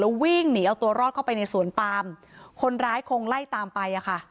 แล้ววิ่งหนีเอาตัวรอดเข้าไปในสวนปัมคนร้ายคงไล่ตามไป